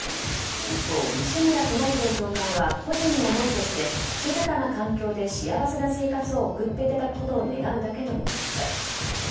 一方、西村宮内庁長官は個人の思いとして静かな環境で幸せな生活を送っていただくことを願うだけと述べました。